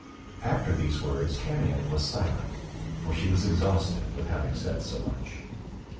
After these words Camion was silent, for she was exhausted with having said so much.